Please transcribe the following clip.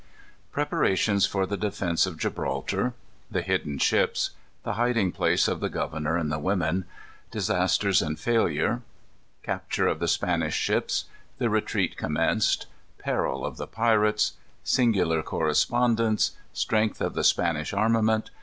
_ Preparations for the Defence of Gibraltar. The Hidden Ships. The Hiding place of the Governor and the Women. Disasters and Failure. Capture of the Spanish Ships. The Retreat Commenced. Peril of the Pirates. Singular Correspondence. Strength of the Spanish Armament.